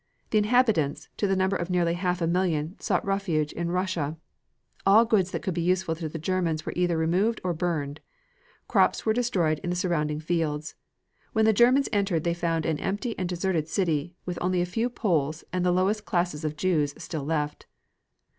The inhabitants, to the number of nearly half a million, sought refuge in Russia. All goods that could be useful to the Germans were either removed or burned. Crops were destroyed in the surrounding fields. When the Germans entered they found an empty and deserted city, with only a few Poles and the lowest classes of Jews still left.